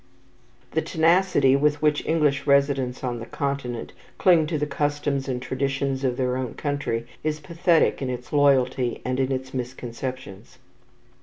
The tenacity with which English residents on the Continent cling to the customs and traditions of their own country is pathetic in its loyalty and in its misconceptions.